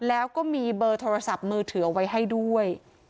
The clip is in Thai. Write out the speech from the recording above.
แล้วก็มีเบอร์โทรศัพท์มือถือเอาไว้ให้ด้วย